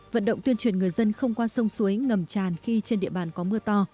vận động tuyên truyền người dân không qua sông suối ngầm tràn khi trên địa bàn có mưa to